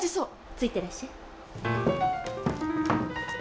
ついてらっしゃい。